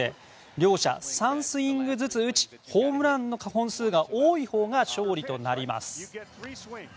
両者、３スイングずつ打ちホームランの本数が多いほうが勝利となります。